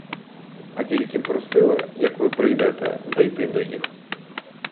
А тільки просили, як ви прийдете, зайти до їх.